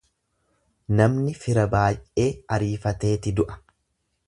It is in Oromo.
Namni fira baay'ee arifateeti du'a.